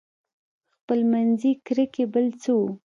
خپلمنځي کرکې بل څه وو.